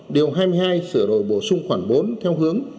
điều hai mươi hai sửa đổi bổ sung khoảng bốn theo hướng